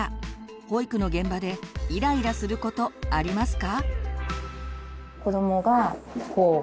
保育の現場でイライラすることありますか？